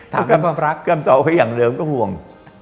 ถามกับความรักกรรมต่อไปอย่างเดิมก็ห่วง